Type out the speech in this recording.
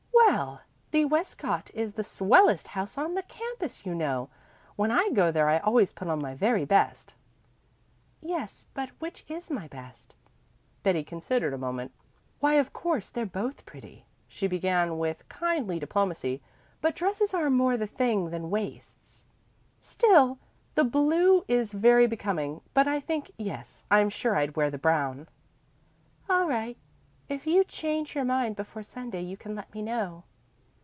"Well, the Westcott is the swellest house on the campus, you know. When I go there I always put on my very best." "Yes, but which is my best?" Betty considered a moment. "Why, of course they're both pretty," she began with kindly diplomacy, "but dresses are more the thing than waists. Still, the blue is very becoming. But I think yes, I'm sure I'd wear the brown." "All right. If you change your mind before Sunday you can let me know."